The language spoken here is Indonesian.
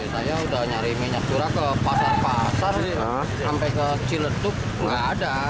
saya sudah mencari minyak curah ke pasar pasar sampai ke ciletuk tidak ada